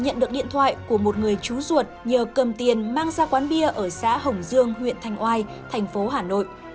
nhận được điện thoại của một người chú ruột nhờ cầm tiền mang ra quán bia ở xã hồng dương huyện thanh oai thành phố hà nội